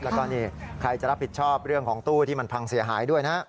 แล้วก็นี่ใครจะรับผิดชอบเรื่องของตู้ที่มันพังเสียหายด้วยนะ